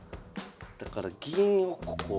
だから銀をここ。